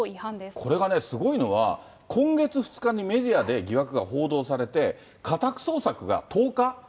これがね、すごいのは、今月２日にメディアで疑惑が報道されて、家宅捜索が１０日。